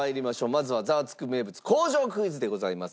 まずは『ザワつく！』名物工場クイズでございます。